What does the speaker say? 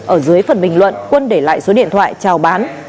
ở dưới phần bình luận quân để lại số điện thoại trào bán